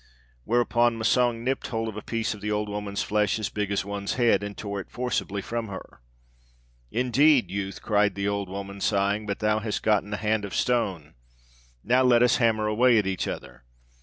"Whereupon Massang nipped hold of a piece of the old woman's flesh as big as one's head, and tore it forcibly from her. 'Indeed, youth,' cried the old woman, sighing, 'but thou hast gotten a hand of stone; now let us hammer away at each other!'